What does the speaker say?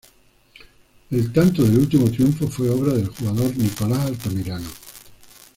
El tanto del último triunfo fue obra del jugador Nicolás Altamirano.